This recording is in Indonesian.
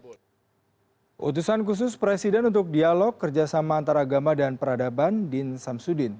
utusan khusus presiden untuk dialog kerjasama antaragama dan peradaban din samsudin